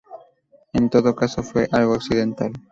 En todo caso, fue algo accidental.